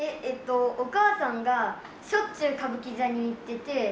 お母さんがしょっちゅう歌舞伎座に行ってて。